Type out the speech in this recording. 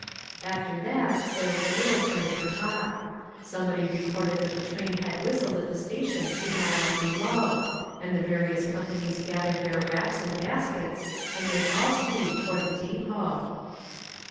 After that there was little time for talk. Somebody reported that the train had whistled at the station two miles below, and the various companies gathered their wraps and baskets and made all speed to ward the depot.